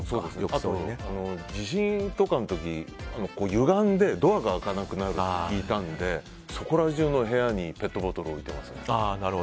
あと、地震とかの時にゆがんでドアが開かなくなると聞いたのでそこらじゅうの部屋にペットボトルを置いてます。